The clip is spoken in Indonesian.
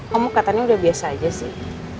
kamu katanya udah biasa aja sih